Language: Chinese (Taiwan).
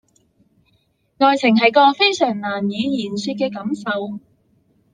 愛情是個非常難以言說的感受